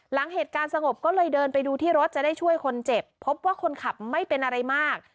หลังเหตุการณ์สงบก็เลยเดินไปดูที่รถจะได้ช่วยคนเจ็บพบว่าคนขับไม่เป็นอะไรมาก